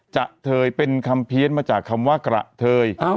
จะเธอเป็นคำเพียสมาจากคำว่ากระเธอ